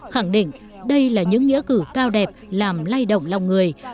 khẳng định đây là những nghĩa cử cao đẹp làm lay động lòng người